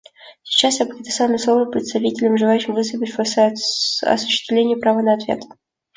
Сейчас я предоставлю слово представителям, желающим выступить в осуществление права на ответ.